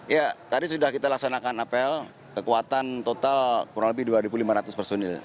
ya tadi sudah kita laksanakan apel kekuatan total kurang lebih dua lima ratus personil